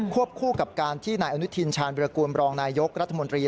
คู่กับการที่นายอนุทินชาญวิรากูลบรองนายยกรัฐมนตรี